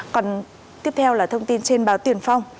còn tiếp theo là thông tin trên báo tiền phong